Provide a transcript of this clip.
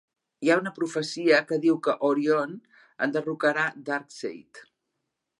Hi ha una profecia que diu que Orion enderrocarà Darkseid.